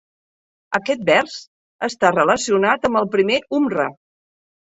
Aquest vers està relacionat amb el primer umra.